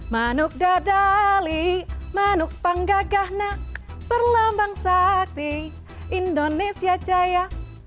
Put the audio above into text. manug dadali manug panggagahna perlambang sakti indonesia jaya